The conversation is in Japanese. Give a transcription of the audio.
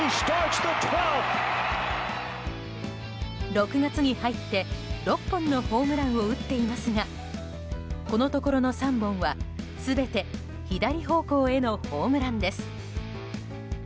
６月に入って、６本のホームランを打っていますがこのところの３本は全て左方向へのホームランです。